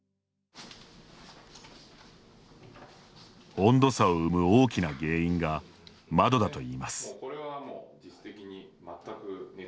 温度差を生む大きな原因が窓だといいます。